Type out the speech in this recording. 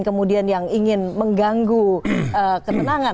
kemudian yang ingin mengganggu ketenangan